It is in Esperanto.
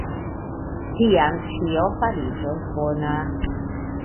Tiam ĉio fariĝos bona.